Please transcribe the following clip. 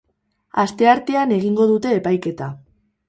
Asteartean egingo dute epaiketa.